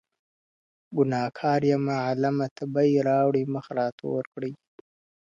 ګناه کاره یم عالمه تبۍ راوړئ مخ را تورکړی.